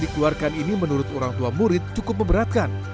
dikeluarkan ini menurut orang tua murid cukup memberatkan